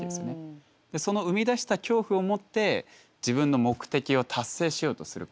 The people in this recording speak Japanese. その生み出した恐怖をもって自分の目的を達成しようとする行為。